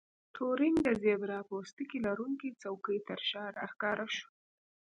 ټورینګ د زیبرا پوستکي لرونکې څوکۍ ترشا راښکاره شو